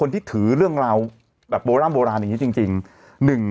ที่ถือเรื่องราวแบบโบร่ำโบราณอย่างนี้จริง